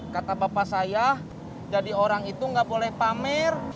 kata bapak saya jadi orang itu gak boleh pamer